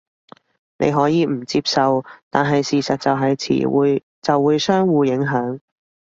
你可以唔接受，但係事實就係詞彙就會相互影響